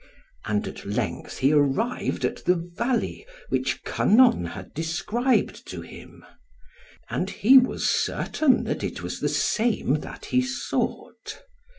And at length he arrived at the valley which Kynon had described to him; and he was certain that it was the same that he sought.